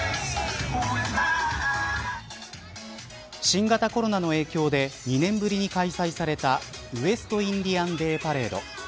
新型コロナの影響で２年ぶりに開催されたウエスト・インディアン・デー・パレード。